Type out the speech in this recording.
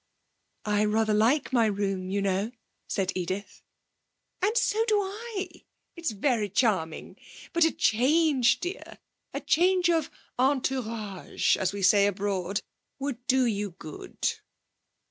'I rather like my room, you know,' said Edith. 'And so do I. It's very charming. But a change, dear a change of entourage, as we say abroad, would do you good.'